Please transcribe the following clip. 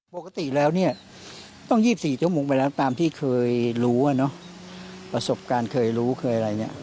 ปกติแล้วเนี่ยต้อง๒๔ชั่วโมงไปแล้วตามที่เคยรู้อ่ะเนอะประสบการณ์เคยรู้เคยอะไรเนี่ย